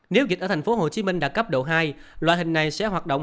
nếu dịch ở tp hcm đạt cấp độ hai loại hình này sẽ hoạt động